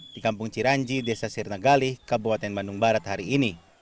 di kampung ciranji desa sirnagalih kabupaten bandung barat hari ini